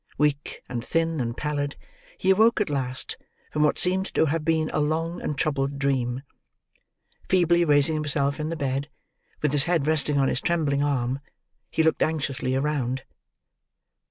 Weak, and thin, and pallid, he awoke at last from what seemed to have been a long and troubled dream. Feebly raising himself in the bed, with his head resting on his trembling arm, he looked anxiously around.